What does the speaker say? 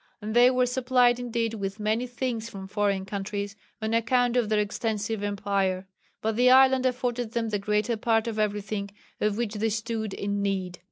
And they were supplied indeed with many things from foreign countries, on account of their extensive empire; but the island afforded them the greater part of everything of which they stood in need.